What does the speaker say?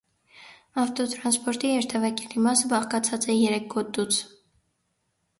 Ավտոտրանսպորտի երթևեկելի մասը բաղկացած է երեք գոտուց։